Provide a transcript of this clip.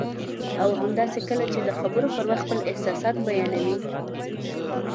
او همداسې کله چې د خبرو پر وخت خپل احساس بیانوي